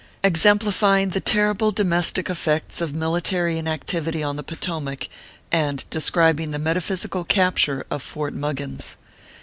EXEMPLIFYING THE TERRIBLE DOMESTIC EFFECTS OF MILITARY IN ACTIVITY ON THE POTOMAC, AND DESCRIBING THE METAPHYSICAL CAPTURE OF FORT MUGGINS.